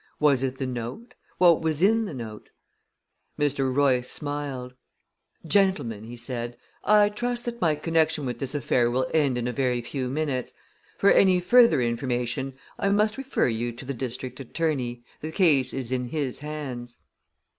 Was it the note? What was in the note? Mr. Royce smiled. "Gentlemen," he said, "I trust that my connection with this affair will end in a very few minutes. For any further information, I must refer you to the district attorney the case is in his hands."